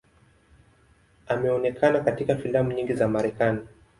Ameonekana katika filamu nyingi za Marekani.